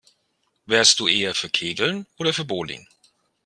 Wärst du eher für Kegeln oder für Bowling?